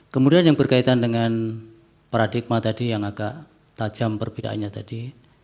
kemudian yang berkaitan dengan paradigma tadi yang agak tajam perbedaannya tadi